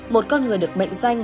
một con người được mệnh danh